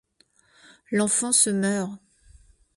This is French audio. L'enfant se meurt.